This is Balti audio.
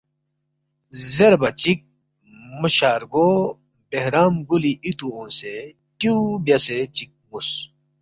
زیربا چِک مو شارگو بہرام گولی اِتُو اونگسے ٹیُو بیاسے چِک نُ٘وس